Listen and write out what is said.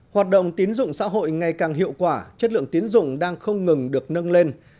hoạt động tiến dụng xã hội ngày càng hiệu quả chất lượng tiến dụng đang không ngừng được nâng lên